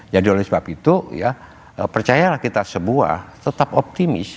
jadi oleh sebab itu percayalah kita sebuah tetap optimis